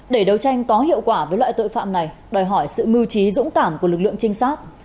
để đấu tranh có hiệu quả với loại tội phạm này đòi hỏi sự mưu trí dũng cảm của lực lượng trinh sát